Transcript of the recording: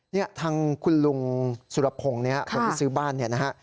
เนี่ยทางคุณลุงสุรพงศ์เนี่ยคนที่ซื้อบ้านเนี่ยนะฮะ